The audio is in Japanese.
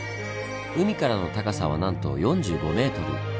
海からの高さはなんと４５ｍ。